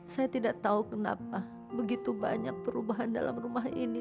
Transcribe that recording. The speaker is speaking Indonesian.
saya tidak tahu kenapa begitu banyak perubahan dalam rumah ini